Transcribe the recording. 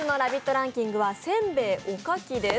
ランキングは煎餅・おかきです。